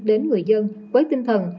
đến người dân với tinh thần